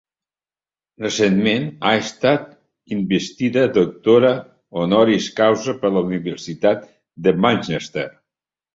Recentment ha estat investida doctora honoris causa per la Universitat de Manchester.